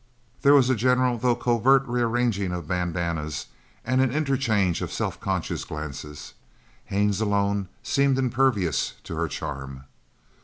There was a general though covert rearranging of bandanas, and an interchange of self conscious glances. Haines alone seemed impervious to her charm.